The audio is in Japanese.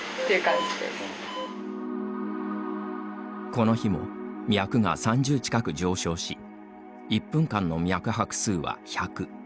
この日も脈が３０近く上昇し１分間の脈拍数は１００。